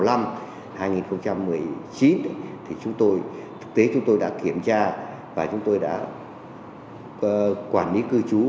năm hai nghìn một mươi chín thực tế chúng tôi đã kiểm tra và chúng tôi đã quản lý cư trú